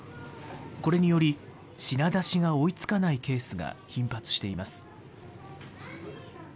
これにより、品出しが追いつかないケースが頻発しています。